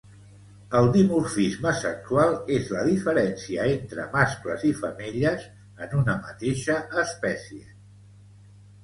El dimorfisme sexual és la diferència entre mascles i femelles en una mateixa espècie